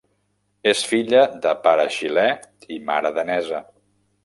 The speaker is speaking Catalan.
És filla de pare xilè i mare danesa.